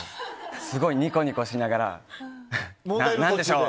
すごい、ニコニコしながら何でしょう？